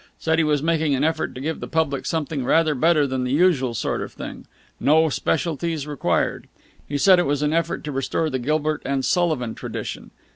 Said he was making an effort to give the public something rather better than the usual sort of thing. No specialities required. He said it was an effort to restore the Gilbert and Sullivan tradition.